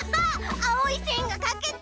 あおいせんがかけた！